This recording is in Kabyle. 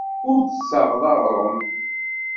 Ur d-tessaɣeḍ aɣrum.